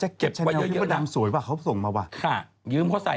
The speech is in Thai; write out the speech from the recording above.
ให้เก็บข้าวแห้งไว้เยอะนะ